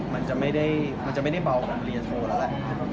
มันจะไม่ได้เบาเหมือนเรียนโทรแล้วแหละ